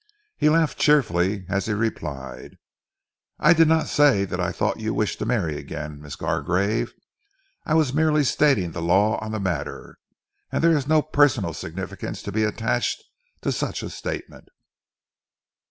He laughed cheerfully as he replied, "I did not say that I thought you wished to marry again, Miss Gargrave. I was merely stating the law on the matter, and there is no personal significance to be attached to such a statement."